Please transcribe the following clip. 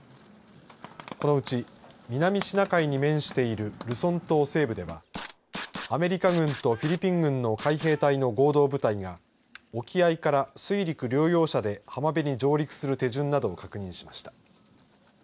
このうち南シナ海に面しているルソン島西部ではアメリカ軍とフィリピン軍の海兵隊の合同部隊が沖合から水陸両用車で浜辺に上陸する手順などを確認しました。